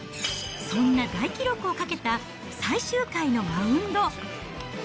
そんな大記録をかけた最終回のマウンド。